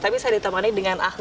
tapi saya ditemani dengan ahli